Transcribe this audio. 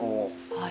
はい。